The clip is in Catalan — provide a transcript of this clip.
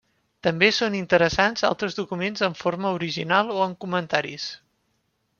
També són interessants altres documents en forma original o amb comentaris.